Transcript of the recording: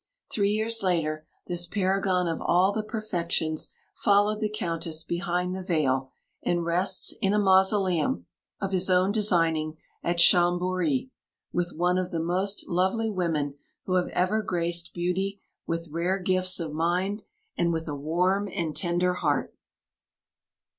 Three years later this "paragon of all the perfections" followed the Countess behind the veil, and rests in a mausoleum, of his own designing, at Chamboury, with one of the most lovely women who have ever graced beauty with rare gifts of mind and with a warm and tender heart.